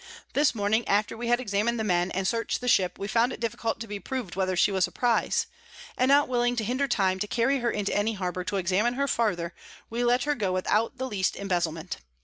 This Morning, after we had examin'd the Men, and searched the Ship, we found it difficult to be prov'd whether she was a Prize: And not willing to hinder time to carry her into any Harbour to examine her farther, we let her go without the least Embezelment.